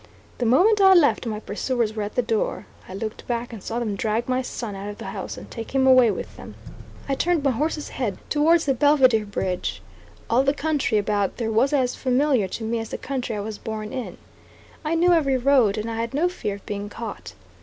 The moment I left, my pursuers were at the door. I looked back and saw them drag my son out of the house, and take him away with them. I turned my horse's head towards the Belvidere Bridge. All the country about there was as familiar to me as the county I was born in. I knew every road, and I had no fear of being caught.